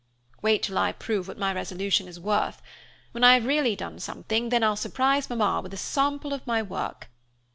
"Wait till I prove what my resolution is worth. When I have really done something, then I'll surprise Mamma with a sample of my work."